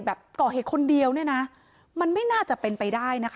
แบบเกาะเหตุคนเดียวมันไม่น่าจะเป็นไปได้นะคะ